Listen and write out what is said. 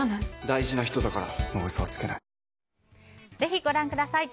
大事な人だからもう嘘はつけない。